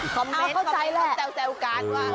คอมเม้นท์เขาแอบแซวกันว่า